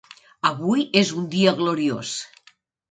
Avui és un dia gloriós.